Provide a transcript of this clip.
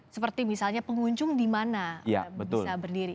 seperti misalnya pengunjung dimana bisa berdiri